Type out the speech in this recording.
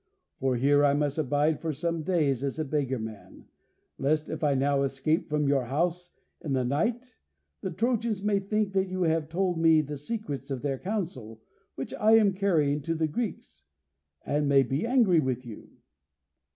For here I must abide for some days as a beggar man, lest if I now escape from your house in the night the Trojans may think that you have told me the secrets of their counsel, which I am carrying to the Greeks, and may be angry with you."